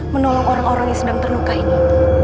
menolong orang orang yang sedang terluka ini